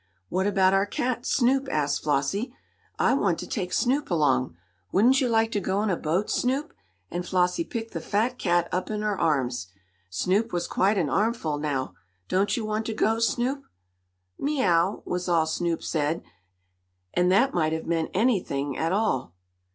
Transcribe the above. "What about our cat, Snoop?" asked Flossie. "I want to take Snoop along. Wouldn't you like to go in a boat, Snoop?" and Flossie picked the fat cat up in her arms. Snoop was quite an armful now. "Don't you want to go, Snoop?" "Meow!" was all Snoop said, and that might have meant anything at all.